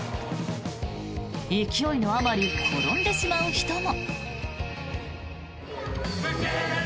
勢いのあまり転んでしまう人も。